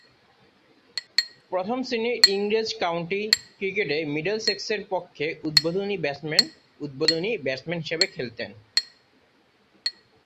প্রথম-শ্রেণীর ইংরেজ কাউন্টি ক্রিকেটে মিডলসেক্সের পক্ষে উদ্বোধনী ব্যাটসম্যান হিসেবে খেলতেন।